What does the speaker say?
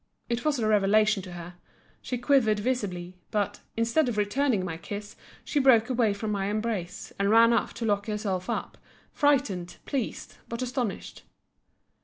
It was a revelation to her; she quivered visibly, but, instead of returning my kiss she broke away from my embrace and ran off to lock herself up, frightened, pleased, but astonished.